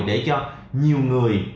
để cho nhiều người